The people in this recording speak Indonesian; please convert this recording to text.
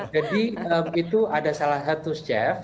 jadi itu ada salah satu chef